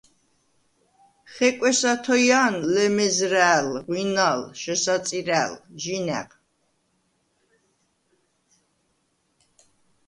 ხეკვეს ათოჲა̄ნ ლემეზრა̄̈ლ, ღვინალ, შესაწირა̈ლ, ჟინაღ.